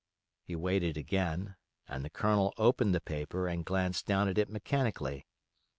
He waited again, and the Colonel opened the paper and glanced down at it mechanically.